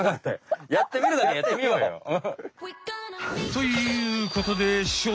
やってみるだけやってみようよ。ということでしょう